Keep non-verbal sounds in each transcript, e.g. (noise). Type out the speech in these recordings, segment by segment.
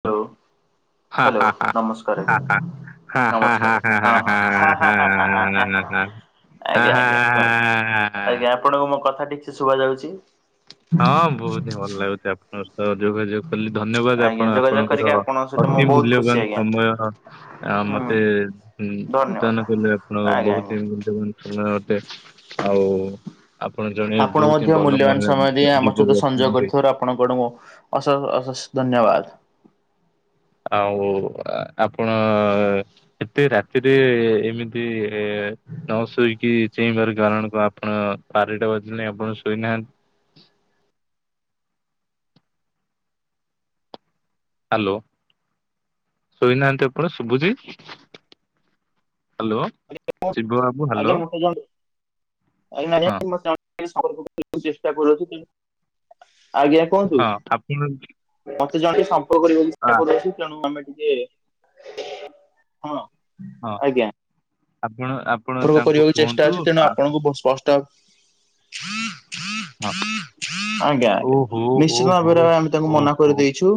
Hello ହା hello ହା ନମସ୍କାର ହା ଆଜ୍ଞା ହା ହା ହା ନମସ୍କାର ହା ଆଜ୍ଞା ହଁ ହା ହା ହା ହଁ ହାଁ ହା ହାଁ ହାଁ ହାଁ ହାଁ ହା ଆଜ୍ଞା ହା ଆଜ୍ଞା କୁହନ୍ତୁ ହା। ଆଜ୍ଞା ଆପଣଙ୍କୁ ମୋ କଥା ଠିକ୍ ସେ ଶୁଭ ଯାଉଚି। ହଁ ବହୁତ ହିଁ ଭଲ ଲାଗୁଚି ଆପଣଙ୍କ ସହ ଯୋଗାଯୋଗ କହିଲ ଧନ୍ୟବାଦ ଆଜ୍ଞା ଆପଣ ଯୋଗାଯୋଗ କରିକି ଆପଣଙ୍କର ଆପଣଙ୍କ ସହିତ ମୁଁ ଅତି ବହୁତ ଖୁସି ମୂଲ୍ୟବାନ ଆଜ୍ଞା ସମୟ ଆ ହୁଁ ମୋତେ ହୁଁ ଧନ୍ୟବାଦ। ପ୍ରଦାନ କଲେ ଆପଣଙ୍କ ଆଜ୍ଞା ଆଜ୍ଞା ବହୁତ ଦିନ (unintelligible) ସମୟ ମୋତେ ଆଉ। ଆପଣ ଜଣେ ଆପଣ ବହୁତ ମଧ୍ୟ ହିଁ ଭଲ ମହିଳା ଯୁବକ ଅଛନ୍ତି। ଆପଣ (unintelligible) ଅସେଶ ଅସେଶ ଧନ୍ୟବାଦ। ଆଉ ଆପଣ ଏତେ ରାତିରେ ଏମିତି ତିଇ ନଅ ଶୋଇକି ଚେଇଁବାର କାରଣ କଣ ଆପଣ ବାରିଟା ବଜିଲାଣି ଆପଣ ଶୋଇନାହାନ୍ତି। ହ୍ୟାଲୋ ଶୋଇନାହାନ୍ତି ଆପଣ ଶୁଭୁଚି? ହ୍ୟାଲୋ ଶିବ ବାବୁ ଆଜ୍ଞା ହ୍ୟାଲୋ। ମତେ ଜଣ ଆଜ୍ଞା (inaudible) ହଁ ଚେଷ୍ଟା କରୁଅଛି (inaudible) ଆଜ୍ଞା। କୁହନ୍ତୁ ହଁ ଆପଣ ମୋତେ ଜଣେ ସମ୍ପର୍କ କରିବାକୁ ଆ ଚେଷ୍ଟା କରୁଅଛି। ତେଣୁ ଆମେ ଟିକେ ହଁ ହଁ ଆଜ୍ଞା। ଆପଣ ଆପ୍ (unintelligible) କରିବାକୁ ଚେଷ୍ଟା ଅଛି ତେଣୁ ଆପଣଙ୍କୁ ବହୁତ ସ୍ପଷ୍ଟ ହଁ ଆଜ୍ଞା ଆଜ୍ଞା ଓହୋ ନିଶ୍ଚିତ ଓହୋ ଭାବରେ ଆମେ ତାଙ୍କୁ ମନା ଓହୋ କରିଦେଇଛୁ।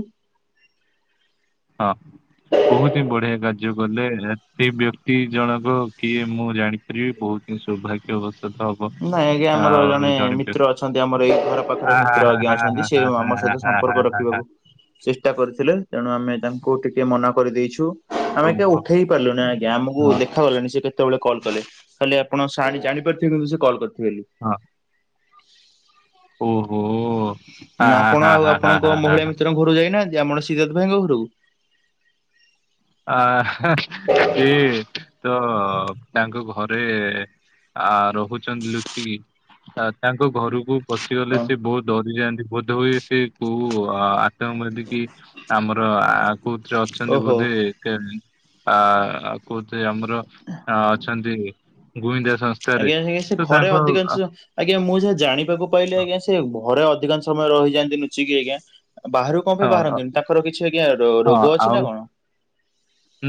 ହଁ। ବହୁତ ହିଁ ବଢିଆ କାର୍ଯ୍ୟ କଲେ ସେ ବ୍ୟକ୍ତି ଜଣକ କିଏ ମୁଁ ଜାଣି ସିଏ ବହୁତୀ ସୌଭାଗ୍ୟ ବସ୍ ହବ ନାଇଁ ଆଜ୍ଞା ଆମର ଆଉ ଜଣେ ମିତ୍ର ଅଛନ୍ତି ଆମର ଏଇ ଘର ପାଖରେ ବ୍ୟକ୍ତି ଆଁ ମିତ୍ର ଆଜ୍ଞା ଆଁର ଅଛନ୍ତି ସେ ଆଁର ଆଁର ଆଁର ଆଁରା ଆମ ସହିତ (unintelligible) ହାଁ ସମ୍ପର୍କ ହାଁ ହାଁ ରଖିବାକୁ ହାଁ ଚେଷ୍ଟା କରିଥିଲେ, ତେଣୁ ଆମେ ତାଙ୍କୁ ଟିକେ ମନା କରିଦେଇଛୁ। ଆମେ ଏତେକ ଉଠେଇ ପାରିଲୁନି ଆଜ୍ଞା ଆମକୁ ଦେଖାଗଲାନି ସେ କେତେ କେତେବେଳେ କଲ କଲେ ତାହେଲେ ଆପଣ ସାର ଜାଣିପାରୁଥିବେ କିନ୍ତୁ ସେ କଲ୍ କରିଥିବେ ବୋଲି। ହଁ। ଓହୋ ଆପଣ ଆଉ ଆପଣଙ୍କ ମହିଳା ମିତ୍ରଙ୍କ ଘରୁକୁ ଯାଇନାହାନ୍ତି। ଆପଣ ସିଧଥ ଭାଇଙ୍କ ଘରକୁ। ଆହା ସିଏ ତ ତାଙ୍କ ଘରେ ଆ ରହୁଚନ୍ତି ଲୁଚିକି। ତା ତାଙ୍କ ଘରକୁ ପଶିଗଲେ ହଁ ସେ ବହୁତ ଡରିଯାଆନ୍ତି। ବୋଧ ହୁଏ ସେ କୋଉ ଆ ଆତଙ୍କବାଦୀକି ଆମର ଆ କୋଉଥିରେ ଅଛନ୍ତି ଓହୋ ବୋଧେ କେ ଆ ଆଉ କଉଥିରେ ଆମର ର ଅଛନ୍ତି ଗୁଇନ୍ଦା ସଂସ୍ଥାରେ, ଆଜ୍ଞା ଆଜ୍ଞା ସେ ତ ଘରେ ତାଙ୍କ ଅଧିକାଂଶ ଆଜ୍ଞା, ମୁଁ ଯାହା ଜାଣିବାକୁ ପାଇଲି ଆ, ଆଜ୍ଞା ସେ ଘରେ ଅଧିକାଂଶ ସମୟ ରହିଯାନ୍ତି ଲୁଚିକି ଆଜ୍ଞା। ବାହାରୁ କଣପାଇଁ ହଁ ବାହାରନ୍ତିନି, ତାଙ୍କର କିଛି ଆଜ୍ଞା ହଁ ରୋଗ ଅଛି ଆଉ ନାଁ କଣ?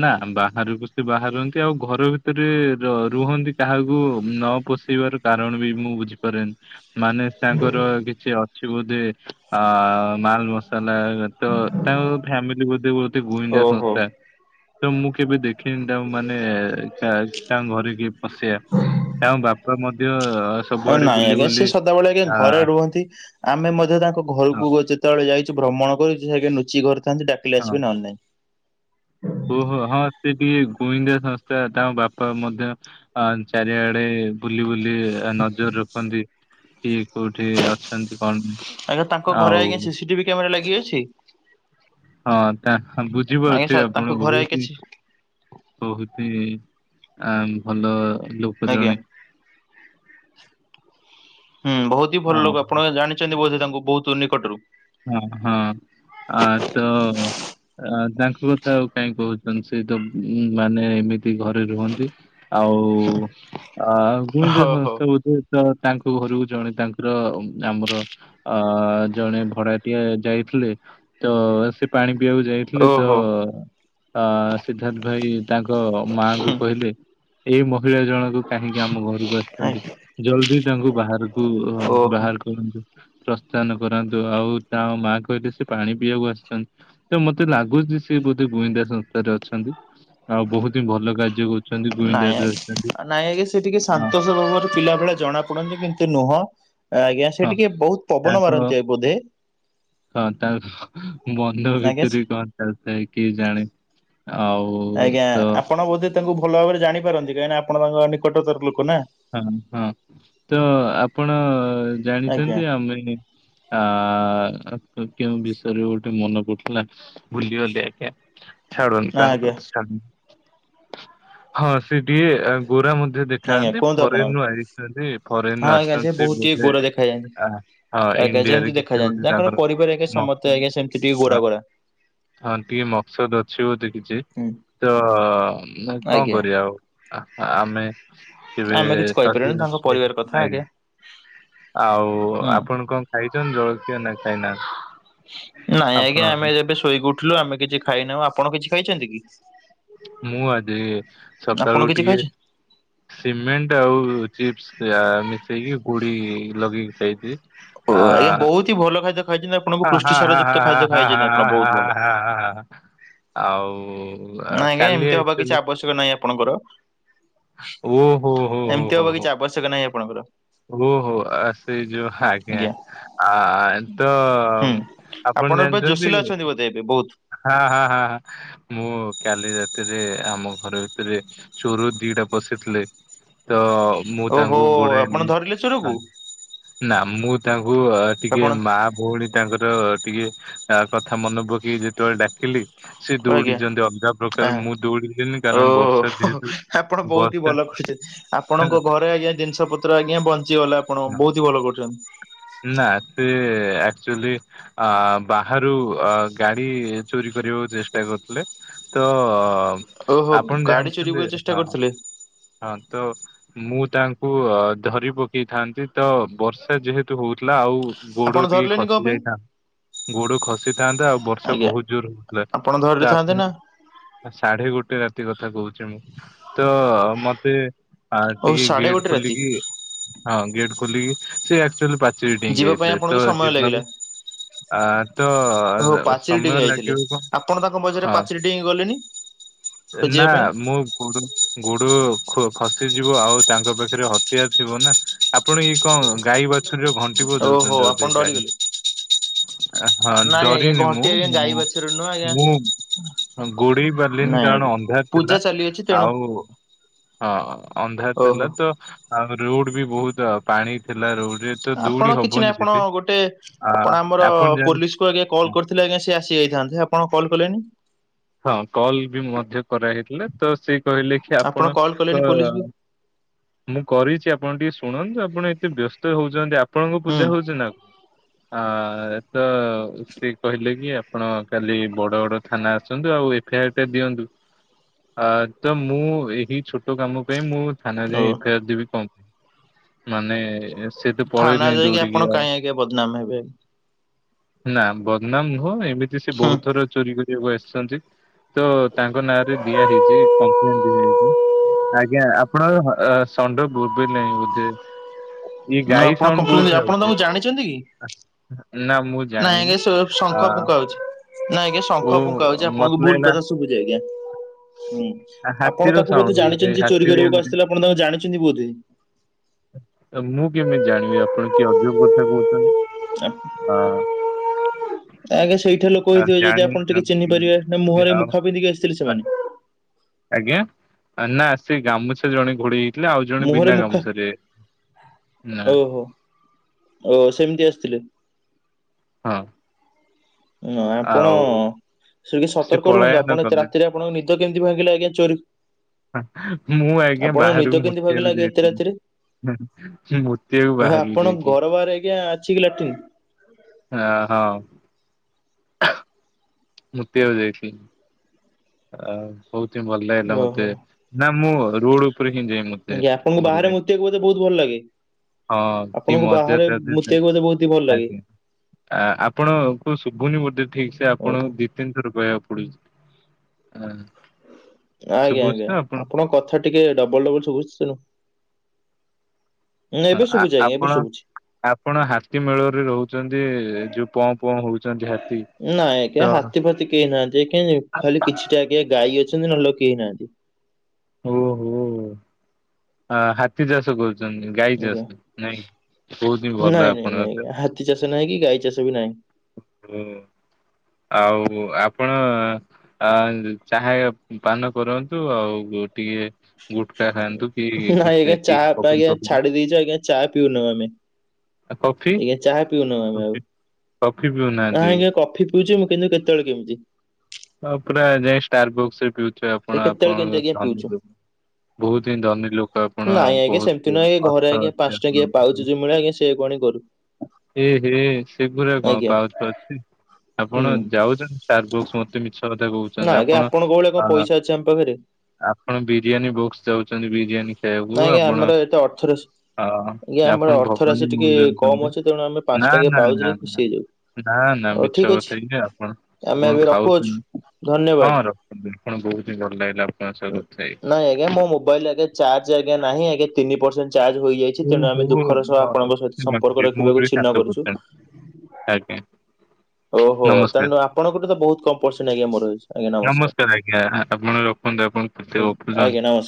ନା ବାହାରକୁ ସେ ବାହାରନ୍ତି। ଆଉ ଘର ଭିତରେ ର ରୁହନ୍ତି କାହାକୁ ନ ପଷି ପଶିବାର କାରଣ ବି ମୁଁ ବୁଝିପାରେନି। ମାନେ ତାଙ୍କର କିଛି ଅଛି ବୋଧେ ଆ ମାଲ ମସାଲା ତ ତାଙ୍କ ଫ୍ୟାମିଲି ବୋଧ ବୋଧେ ଗୁଇନ୍ଦା ଓହୋ। ସଂସ୍ଥା। ତ ମୁଁ କେବେ ଦେଖ ଖିନି ତାଙ୍କୁ ମାନେ ତାଙ୍କ ଘରେ କିଏ ପଶିବା ତାଙ୍କ ବାପା ମଧ୍ୟ ସବୁଆଡେ ବୁଲି ବୁଲି ଆ କୁହନ୍ତି? ଆମେ ମଧ୍ୟ ତାଙ୍କ ହଁ ଘରକୁ ଯେତେବେଳେ ଯାଇଚୁ ଭ୍ରମଣ କରୁଚୁ ସେ ଲୁଚି ଘରେ ଥାନ୍ତି ଡାକିଲେ ହଁ ଆସିବେ ନହେଲେ ନାଇଁ। ଓହୋ, ହଁ ସେ ବି ଗୁଇନ୍ଦା ସଂସ୍ଥା ତାଙ୍କ ବାପା ମଧ୍ୟ ଅ ଚାରିଆଡେ ବୁଲି ବୁଲି ନଜର ରଖନ୍ତି। କି କୋଉଠି ଅଛନ୍ତି କଣ ନାଇଁ? ଆଜ୍ଞା ତାଙ୍କ ଘରେ ଆଉ ଆଜ୍ଞା ସିସିଟିଭି କ୍ୟାମେରା ଲାଗିକି ଅଛି? ହଁ, ତା ଆଜ୍ଞା ସା ବୁଝିପାରୁଥିବେ ତାଙ୍କ ଆପଣ ଘରେ ବହୁତ୍ ହି କିଛି ବହୁତ ହି ଆଁ ଭଲ ଲୋ ଆଜ୍ଞା। ହୁଁ, ବହୁତ ହି ଭଲ ଲୋକ। ଆଉ ଆପଣ ଜାଣିଛନ୍ତି ବୋଧେ ତାଙ୍କୁ ବହୁତ ନିକଟରୁ? ହଁ, ହଁ, ଆ ତ ଅ ତାଙ୍କ କଥା ଆଉ କାଇହିଁ କହୁଛନ୍ତି ସେ ତ ମାନେ ଏମିତି ଘରେ ରୁହନ୍ତି। ଆଉ ଆଉ ଗୁଇନ୍ଦା ହଁ ହଉ ସଂସ୍ଥା ବୋଧେ ତ ତାଙ୍କ ଘରକୁ ଜଣେ ତାଙ୍କର ଆମର ଅ ଜଣେ ଭଡା ଟିଆ ଯାଇଥିଲେ। ତ ସେ ପାଣି ପିଇବାକୁ ଯାଇଥିଲେ ତ ଓହୋ ଅ ସିଦ୍ଧାର୍ଥ ଭାଇ ତାଙ୍କ ମାଙ୍କୁ କହିଲେ ଏଇ ମହିଳା ଜଣଙ୍କ କାହିଁକି ଆମ ଘରକୁ ଆସିଛନ୍ତି? ଆଜ୍ଞା ଜଲଦି ତାଙ୍କୁ ବାହାରକୁ ଓହୋ। ବାହାର କରନ୍ତୁ, ପ୍ରସ୍ଥାନ କରାନ୍ତୁ। ତ ଆଉ ତା ମା କହିଲେ ସେ ପାଣି ପିଇବାକୁ ଆସିଛନ୍ତି। ତ ମତେ ଲାଗୁଚି ସେ ବୋଧେ ଗୁଇନ୍ଦା ସଂସ୍ଥାରେ ଅଛନ୍ତି? ଆଉ ବହୁତ ହିଁ ଭଲ କାର୍ଯ୍ୟ କରୁଛନ୍ତି ନାଇଁ ଗୁଇନ୍ଦାରରେ ଯଉ ଅଛନ୍ତି। ଅ ପିଲାବେଳେ ଜଣାପଡନ୍ତି କିନ୍ତୁ ନୁହଁ ଆଜ୍ଞା, ସେ ହଁ ଟିକେ ବହୁତ ପବନ ତାଙ୍କ ମାରନ୍ତି ଏ ବୋଧେ? ହଁ, ତା ବନ୍ଧ ଆଜ୍ଞା ସେ ଭିତରେ କି କଣ ଚାଲିଥାଏ କିଏ ଜାଣେ? ଆଉ ଆଜ୍ଞା। ତ ଆପଣ ବୋଧେ ତାଙ୍କୁ ଭଲ ଭାବରେ ଜାଣିପାରନ୍ତି, କାହିଁକିନା ଆପଣ ତାଙ୍କ ନିକଟତର ଲୋକ ନାଁ? ହଁ, ହଁ। ତ ଆପଣ ଆଜ୍ଞା ଜାଣିଛନ୍ତି, ଆମେ ଆ କେଉଁ ବିଷୟରେ ଗୋଟେ ମନେ ପଡୁଥିଲା ଭୁଲିଗଲି ଆଜ୍ଞା। ଛାଡ଼ନ୍ତୁ, ଆଜ୍ଞା ତାଙ୍କର ଛାଡ ହଁ, ସିଏ ଟିକିଏ ଗୋରା ମଧ୍ୟ ଆଜ୍ଞା ଦେଖାହାଆନ୍ତି। କୁହନ୍ତୁ ଆପଣ ହଁ ପାରିଚନ୍ତି, ଫରେନରୁ ଆଜ୍ଞା ଆସିଛନ୍ତି ସେ ବହୁତ ଟିକେ ବୋଧେ, ଗୋରା ଆଁ ହଁ ଇଣ୍ଡିଆରେ କିଛି ଦେଖାଯାନ୍ତି। ଗୋଟେ ତାଙ୍କର ପରିବାର ଏକା ସମତେ ମକସଦ ଆଜ୍ଞା ସେମତି ଟିକେ ଗୋରା ହଁ ଗୋରା। ହଁ, ଟିକେ ମକ୍ସଦ ଅଛି ବୋଧେ କିଛି ହୁଁ ତ ମାଏ କଅଁ ଆଜ୍ଞା କରିବା ଆଉ? ଆ-ଆମେ ଆମେ କିଛି କହିପାରିବାନି, ତାଙ୍କ ପରିବାର କଥା ଆଜ୍ଞା। ଆଉ ହୁଁ। ଆପଣ କଣ ଖାଇଛନ୍ତି ଜଳଖିଆ ନା ଖାଇନାହାଁନ୍ତି? ନାଇଁ ଆଜ୍ଞା। ଆମେ ଏବେ ଶୋଇକି ଉଠିଲୁ, ଆମେ କିଛି ଖାଇନାହୁଁ। ଆପଣ କିଛି ଖାଇଛନ୍ତି କି? ମୁଁ ଆଜି ଆପଣ ସକାଳୁ କିଛି ଟିକେ ଖାଇଛ? ସିମେଣ୍ଟ ଆଉ ଚିପ୍ସ ଆ ମିଶେଇକି ଗୁଡି ଲଗେଇକି ଖାଇଦିଏ ଓ ଆଜ୍ଞା ବହୁ ହି ଭଲ ଖାଦ୍ୟ ଖାଇଛନ୍ତି ଆଉ ହା ହା ହା ହା ହା ହା ହା ଭଲ। ହା ହା ହା ହା ହା ହା ହା ଆଉ ନାଇଁ ଆଜ୍ଞା, କାଲି ଏମତି ହବା କିଛି ଆକ୍ଚୁଆଲି ଆବଶ୍ୟକ ଶ୍ୟକ ନାହିଁ ଆପଣଙ୍କର, ଓହୋ ହୋ ହୋ ଏମତି ହୋ ହବ ହୋ। କିଛି ଆବଶ୍ୟକ ନାହିଁ ଆପଣଙ୍କର। ଓହୋ, ଆ ସେଇ ଯୋଉ ହା ଆଜ୍ଞା। ଆ ତ ହୁଁ। ଆପଣ ଜାଣିଚନ୍ତି କି? ଏ ବହୁତ ହା ହା ହା ହା ମୁଁ କାଲି ରାତିରେ ଆମ ଘର ଭିତରେ ଚୋରରୁ ଦିଟା ପଶିଥିଲେ ତ ମୁଁ ଓହୋ ତାଙ୍କୁ ଆପଣ ଗୋଡ଼ାଇଲି, ଧରିଲେ ଆଁ ଚୋରକୁ? ନା, ମୁଁ ତାଙ୍କୁ ଟିକେ ଆପଣ ମା ଭଉଣୀ ତାଙ୍କର ଟିକେ ଆ କଥା ମନ ପକେଇକି ଯେତେବେଳେ ଡାକିଲି ସିଏ ଆଜ୍ଞା ଦୌଡିଛନ୍ତି ଅଲଗା ପ୍ରକାର, ଆଁ ମୁଁ ଦୌଡିଲିନି କାରଣ ଓହୋ ବର୍ଷା ଯେହେତୁ ଆପଣ ବହୁତ ହି ବର୍ଷା ଭଲ କରିଛନ୍ତି। ଆପଣଙ୍କ ଘରେ ଆଜ୍ଞା ଜିନିଷ ପତ୍ର ଆଜ୍ଞା ବଞ୍ଚିଗଲା ଆପଣଙ୍କ, ନା ବହୁତ ହି ଭଲ କରୁଛନ୍ତି। ନା, ସେ ଆକ୍ଚୁଆଲି ଅ ବାହାରୁ ଆ ଗା ଡି ବି ଚୋରି କରିବାକୁ ଚେଷ୍ଟା କରୁଥିଲେ। ତ ଓହୋ ଆପଣ ଗାଡି ଚୋରି ଜାଣିଛନ୍ତି, କରିବାକୁ ଚେଷ୍ଟା ହଁ କରିଥିଲେ ହଁ, ତ ମୁଁ ତାଙ୍କୁ ଧରି ପକେଇଥାନ୍ତି ତ ବର୍ଷା ଯେହେତୁ ହଉଥିଲା ଆଉ ଆପଣ ଗୋଡ ଟିକେ ଧରିଲେନି କଣ ଖସି ପାଇଁ? ଯାଇଥାନ୍ତା, ଗୋଡ ଖସିଥାନ୍ତା ଆଉ ବର୍ଷା ର୍ଷା ଆଜ୍ଞା ବହୁତ ଜୋର ହଉଥିଲା, ଆପଣ ତ ଧରିଥାନ୍ତେ ନା ଆପଣଙ୍କୁ ଆରେ ସାଢେ ଗୋଟେ ରାତି କଥା କହୁଛି ମୁଁ, ତ ମତେ ଆ ଓହୋ ଟିକେ ସାଢେ ଗେଟ୍ ଗୋଟେ ରାତି ଖୋଲିକି, ହଁ ଗେଟ ଖୋଲିକି ସେ ଆକଚୁଆଲି ପା ସେ ଟିଙ୍ଗି ଯିବା ପାଇଁ ଯାଇଥିଲେ। ଆପଣଙ୍କୁ ତ ସମୟ ଲାଗିଲା। ଯିବାକୁ ଆ ତ ଟିଂ ସମୟ ଯାଇଥିଲେ। ଲାଗିବ କଣ ଆପଣ ତାଙ୍କ ମଝିରେ ହଁ ପାଚେରି ଡ଼େଇଁକି ଗଲେନି, ନା ଖୋଜିବା ପାଇଁ? ମୁଁ ଗୋଡ ଗୋଡ ଖ-ଖସିଯିବ ଆଉ ତାଙ୍କ ପାଖରେ ହତିଆର ଥିବ ନା ଆପଣ ଇଏ କଣ ଗାଈ ବାଛୁରୀ ଯୋଉ ଘନ୍ ଘଣ୍ଟି ଓହୋ ବଜଉଛନ୍ତି ବୋଧେ ଆପଣ ଆ ଗାଈ। ଡରିଗଲେ ଆ ହଁ ନାଇଁ ଆଜ୍ଞା ଡରିନି ଘଣ୍ଟି ମୁଁ ଆଜ୍ଞା ମୁଁ ଗାଈ ବାଛୁରୀ ନୁହଁ ଆଜ୍ଞା ମୁଁ ଗୋଡ଼େଇ ପାରିଲିନି ନାଇଁ କାରଣ ଆଜ୍ଞା। ଅନ୍ଧାର ଥିଲା, ପୂଜା ଚାଲିଅଛି ତେଣୁ ଆଉ ଓ ହଁ ଅନ୍ଧାରଥିଲା ଓହୋ ତ ଆଉ ରୋଡ ବି ବହୁତ ପାଣି ଥିଲା ରୋଡରେ ତ ଦୌଡି ଆପଣ କିଛି ହବନି ନାହିଁ, ଆପଣ ସେଠି। ଗୋଟେ ଆ ଆପଣ ଆମର ପୋଲିସ କୁ ଆଜ୍ଞା କଲ୍ କରିଥିଲେ ଆଜ୍ଞା ସେ ଆସିଯାଇଥାନ୍ତେ! ଆପଣ କଲ କଲେଣି? ହଁ କଲ୍ ବି ମଧ୍ୟ କରାହେଇଥିଲା ତ ସେ କହିଲେ କି ଆପଣ କଲ୍ ଆପଣଙ୍କ କଲେନି ପୋଲିସ କୁ ମୁଁ କରିଛି ଆପଣ ଟିକେ ଶୁଣନ୍ତୁ, ଆପଣ ଏତେ ବ୍ୟସ୍ତ ହଉଛନ୍ତି, ଆପଣଙ୍କ ହୁଁ ପୂଜା ହଉଛି ନା କ ଆ ତ ଠିକ୍ କହିଲେ କି ଆପଣ କାଲି ବଡ ବଡ ଥାନା ଆସନ୍ତୁ ଆଉ ଏଫ ଆର ଟା ଦିଅନ୍ତୁ? ଆ ତ ମୁଁ ଏହି ଛୋଟ କାମ ପାଇଁ ମୁଁ ଓ ଥାନାରେ ଏଫଆର ଦେବୀ କମ ମାନେ ସେଇତ ଥାନା ପଳେଇଲେ ଏଣ୍ଡୁ ଯାଇକି ଆପଣ ଉଡ଼ିକିଆ କାହିଁ ଆଜ୍ଞା ବଦନାମ ହେବେ। ନା ବଦନାମ ନୁହଁ! ଏମିତି ସେ ବହୁତଥର ଚୋରି କରିବାକୁ ଆସିଛନ୍ତି! ତ ତାଙ୍କ ନାଁରେ ଦିଆ ହେଇଛି କପ୍ଲେନ ଦିଆ ହୋଇଛି। ଆଜ୍ଞା ଆପଣଙ୍କ ଷଣ୍ଡ ବୋବେଇଲାଣି ବୋଧେ। ଏଇ ହୁଁ ଗାଈ ଆପଣ ସାଉଣ୍ଡ କମ୍ପ୍ଲେନ କୋଉଠି ଆପଣ ଆଉଚି? ତାଙ୍କୁ ଜାଣିଛନ୍ତି କି? ନା ମୁଁ ନାଇଁ ଆଜ୍ଞା ଜାଣିିନୁ ଶ ଶଙ୍ଖ ଫୁଙ୍କା ହଉଛି ନା ଆଜ୍ଞା ଓ ଶଙ୍ଖ ପୁଙ୍କା ହଉଛି, ଆପଣଙ୍କୁ ମତେ ଭୁଲ ଲାଗିଲା କଥା ସୁ ଶୁଭୁଚି ଆଜ୍ଞା ହୁଁ। ଆପଣ ହାତୀର ତାଙ୍କୁ ସାଉଣ୍ଡ ବୋଧେ ହଉଛି ଜାଣିଛନ୍ତି ହାତୀ ଚୋରି ବି କରିବାକୁ ଏମିତି ଆସିଥିଲେ ଆପଣ ତାଙ୍କୁ ଜାଣିଛନ୍ତି ବୋଧେ। ତ ମୁଁ କେମିତି ଜାଣିବି ଆପଣ କି ଅଜବ କଥା କହୁଛନ୍ତି? (inaudible) ହଁ ଆଜ୍ଞା ସେଇଠେ ଲୋକ ହେଇଥିବେ ଯଦି ଜାଣିନି ଆପଣ ଟିକେ ଚିହ୍ନି ପାରିବେ ନା ତାର। ମୁହଁରେ ଆଉ ମୁଖା ପିନ୍ଧିକି ଆସିଥିଲେ ଆ- ସେମାନେ? ଆଜ୍ଞା, ନା ସେ ଗାମୁଛା ଜଣେ ଘୋଡେଇ ଥିଲେ ଆଉ ଜଣେ ମୁହଁରେ ବିନା ମୁଖା ଗାସୁଛାରେ ନା ଓହୋ ଓ ସେମିତି ଆସିଥିଲେ। ହଁ। ନା ଆପଣ ଆଉ ସେ କି ସତର୍କ ରୁହନ୍ତୁ, ପଳାୟନ ଆପଣ ଏତ କଲେ ରାତିରେ ଆପଣଙ୍କ ନିଦ କେମିତି ଭାଙ୍ଗିଲେ ଆଜ୍ଞା ଚୋରି ମୁଁ ଆଜ୍ଞା ଆପଣ ବାହାରକୁ ନିଦ କେନ୍ତି ମୁତିବାକୁ ଭାଗିଲା କି ଏତେ ଯାଇଥିଲି। ରାତିରେ? ମୁତିବାକୁ ବାହାରକୁ ଆପଣଙ୍କ ଯାଇଥିଲି ଘର ବାହାରେ ଆଜ୍ଞା ଅଛି କି ଲାଟିନ୍? ଆ ହଁ। (inaudible) ମୁତିବାକୁ ଯାଇଥିଲି। ଅ ବହୁତ ହିଁ ଭଲ ଲାଗିଲା ଓହୋ ମତେ ନା ମୁଁ ରୋଡ ଉପରେ କିନ୍ତିଯିବି ମୁଁ। ଆଜ୍ଞା ଆପଣଙ୍କୁ ବାହାରେ ମୁତିବାକୁ ବଧେ ବହୁତ ଭଲ ଲାଗେ? ହଁ କି ଆପଣଙ୍କୁ ମଜା ବାହାରେ ତା ଦେହରେ ମୁତିବାକୁ ବଧେ ବହୁତ ହି ଭଲ ଲାଗେ? ଆଜ୍ଞା। ଆ ଆପଣଙ୍କୁ ଶୁଭୁନି ବୋଧେ ଠିକ ସେ ଓହୋ ଆପଣଙ୍କୁ ଦି ତିନି ଥର କହିବାକୁ ପଡୁଛି? ଆଁ। ଆଜ୍ଞା ଆଜ୍ଞା ଆପଣଙ୍କ କଥା ଟିକେ ଡବଲ ଡବଲ ଶୁଭୁଚି ତେଣୁ ନାଁ ହଁ, ଏବେ ଆ- ଶୁଭୁଚି ଆଜ୍ଞା ଆପଣ ଏବେ ଶୁଣୁଛି। ଆପଣ ହାତୀ ମେଳରେ ରହୁଛନ୍ତି ଯୋଉ ମ୍ପ ମ୍ପ ହଉଛନ୍ତି ହାତ ନାଇଁ ଆଜ୍ଞା ହାତୀ ଫାତି କେହି ନାହାନ୍ତି ଆଜ୍ଞା ଖାଲି କିଛିଟା ଆଜ୍ଞା ଗାଈ ଅଛନ୍ତି ନା ଲୋକ କେହି ନାହାନ୍ତି। ଓହୋ! ହାତୀ ଚାଷ କରୁଛନ୍ତି। ଗାଇଲେ ଆଜ୍ଞା ମସ୍ତ ନାଇଁ ବହୁତ ହିଁ ଭଲ ଆପଣଙ୍କ। ମାଟି ଚାଷ ନାହିଁ କି ଗାଈ ଚାଷ ବି ନାହିଁ। ହୁଁ ଆଉ ଆପଣ ଆ (unintelligible) ଚାହା ପାନ କରନ୍ତୁ ଆଉ ଟିକେ ଗୁଟକା ଖାଆନ୍ତୁ କି ନାଇଁ ସେ ଆଜ୍ଞା ବିଗ୍ ଚାହା ପା- ବବୁଲ ଆଜ୍ଞା ଫବୁଲ ଛାଡି ଦେଇଛୁ ଆଜ୍ଞା ଚା ପିଉନୁ ଆମେ। ଆ କଫି ଆଜ୍ଞା ଚାହା ପିଉନୁ ଆମେ ଆଉ (inaudible) କଫି ନା ପିଉନାହାନ୍ତି। ଆଜ୍ଞା କଫି ପିଉଚି ମୁଁ କିନ୍ତୁ କେତବେଳେ କେମିତି। ଆ ପୁରା ଯାଇ ଷ୍ଟାର ବୁକ୍ସରେ ପିଉଥିବେ ଏ ଆପଣ କେତେବେଳେ କେମିତି ଆପଣଙ୍କ ଆଜ୍ଞା ଧନି ପିଉଛୁ। ଲୋ ବୋହୁତ ହିଁ ଧନୀ ଲୋକ ଆପଣ ନାଇଁ ଆଜ୍ଞା ସେମିତି ବୋହୁତ ନୁହେଁ ଆଜ୍ଞା, ଘରେ ଅର୍ଥ ଆଜ୍ଞା ପାଞ୍ଚ ଅଛି ଟଙ୍କିଆ ଆପଣଙ୍କ ପାଉଚ୍ ପାଖରେ। ଯୋଉ ମିଳେ ଆଜ୍ଞା ସେଇଆକୁ ଆଣି କରୁ ଏ ହେ ସେଗୁରା କଣ ଆଜ୍ଞା। ପାଉତି ଫାଉତି ଆପଣ ହୁଁ ଯାଉଚ ଷ୍ଟାର ବୁକ୍ସ ମତେ ମିଛ କଥା ନା କହୁଚନ୍ତି ଆଜ୍ଞା ଆପଣ ଆପଣଙ୍କ ଭଳିଆ କଣ ଆ ପଇସା ଅଛି ଆମ ପାଖରେ ଆପଣ ବିରିୟାନୀ ବୁକ୍ସ ଯାଉଚନ୍ତି ବିରିୟାନୀ। ଖାଇବାକୁ ନାଇଁ ଆଜ୍ଞା ଆପଣ ଆମର ଏତେ ଅର୍ଥ ରାଶି ଅ ଆଜ୍ଞା ଆପଣ ଆମର ଅର୍ଥ ଭବାନୀ ରାଶି ଟିକେ ମହଲ କମ୍ ଯାଉଚନ୍ତି ଅଛି। ତେଣୁ ଆମେ ପାଞ୍ଚଟଙ୍କିଆ ପାଉଚୁରେ ଖୁସି ହେଇଯାଉ। ନାଁ ନାଁ ହଉ ମିଛ ଠିକ ଅଛି କଥା ଇଏ ଆପଣ ଆମେ କଣ ଏବେ ଖାଉ ରଖୁଅଛୁ ହୁଁ ଧନ୍ୟବାଦ। ହଁ ର‌ଅ। (unintelligible) ଆପଣ ବୋହୁତ ହିଁ ଭଲ ଲାଗିଲା ଆପଣ ସହ କଥା ହେଇ। ନାଇଁ ଆଜ୍ଞା ମୋ ମୋବାଇଲରେ ଆଜ୍ଞା ଚାର୍ଜ ଆଜ୍ଞା ନାହିଁ ଆଜ୍ଞା ତିନି ପରସେଣ୍ଟ। ଚାର୍ଜ ହୋଇଯାଇଚି ତେଣୁ ଓହୋ ଆମେ ଦୁଃଖର ସହ ମୋର ଆପଣଙ୍କ ସହିତ ସମ୍ପର୍କ ରଖିବାକୁ ଛିର୍ନ କରୁଚୁ। ଆଜ୍ଞ। ଓହୋ ତାହେନେ ଆପଣଙ୍କଠୁ ତ ବୋହୁତ କମ୍ ପରସେଣ୍ଟ ଆଜ୍ଞା ମୋର ରହିଚି ଆଜ୍ଞା ନମସ୍କାର ଆଜ୍ଞା ଆପଣ ନମସ୍କାର। ରଖନ୍ତୁ ଆପଣ କେତେ (unintelligible) ଗପୁଚନ୍ତି। ଆଜ୍ଞା ନମ